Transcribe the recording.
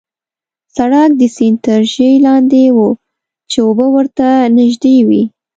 سړک د سیند تر ژۍ لاندې وو، چې اوبه ورته نژدې وې.